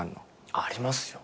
ありますよ。